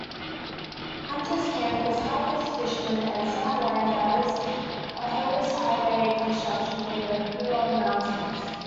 Hunters, campers, hikers, fishermen and some landowners opposed highway construction near the Huron Mountains.